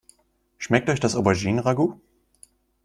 Schmeckt euch das Auberginen-Ragout?